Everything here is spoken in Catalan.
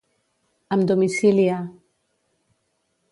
Amb domicili a.